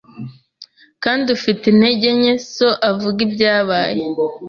kandi ufite intege nke So avuge ibyabaye